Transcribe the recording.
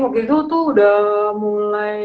waktu itu tuh udah mulai